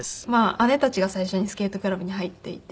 姉たちが最初にスケートクラブに入っていて。